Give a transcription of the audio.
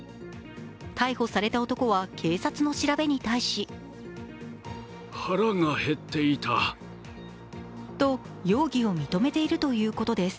逮捕された男は警察の調べに対しと容疑を認めているということです。